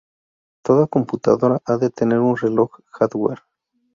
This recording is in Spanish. Toda computadora ha de tener un reloj hardware.